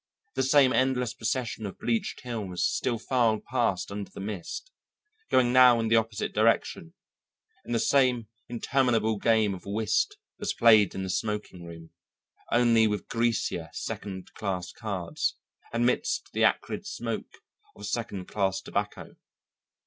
The same endless procession of bleached hills still filed past under the mist, going now in the opposite direction, and the same interminable game of whist was played in the smoking room, only with greasier, second class cards, amidst the acrid smoke of second class tobacco.